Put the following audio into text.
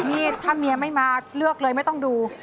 นี่ถ้าเมียไม่มาเลือกเลยไม่ต้องดู